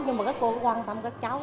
nhưng mà các cô quan tâm các cháu